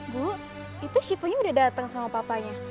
bu itu sivonya udah dateng sama papanya